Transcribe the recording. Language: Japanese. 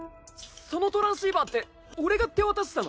そのトランシーバーって俺が手渡したの！？